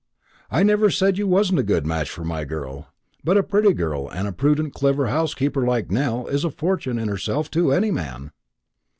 "I never said you wasn't a good match for my girl; but a pretty girl and a prudent clever housekeeper like Nell is a fortune in herself to any man."